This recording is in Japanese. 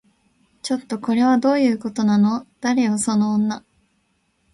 ちょっと、これはどういうことなの？誰よその女